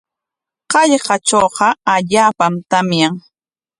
Hallqatrawqa allaapam tamyan.